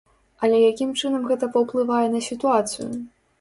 Але якім чынам гэта паўплывае на сітуацыю?